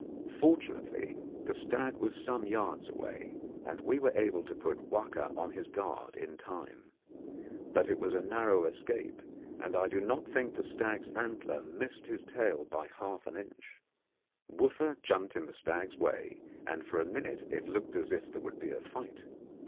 Fortunately, the stag was some yards away, and we were able to put Wahka on his guard in time. But it was a narrow escape, and I do not think the stag's antler missed his tail by half an inch. Wooffa jumped in the stag's way, and for a minute it looked as if there would be a fight.